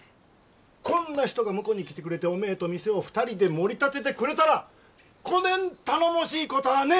こんな人が婿に来てくれておめえと店を２人でもり立ててくれたらこねん頼もしいこたあねえ！